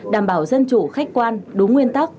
đảm bảo dân chủ khách quan đúng nguyên tắc